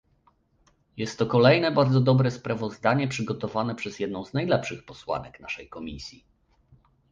Jest to kolejne bardzo dobre sprawozdanie przygotowane przez jedną z najlepszych posłanek naszej komisji